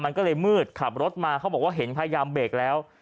มันก็เลยมืดขับรถมาเขาบอกว่าเห็นพยายามเบรกแล้ว